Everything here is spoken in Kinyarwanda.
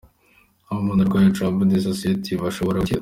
Umuntu urwaye Trouble dissociative ashobora gukira?.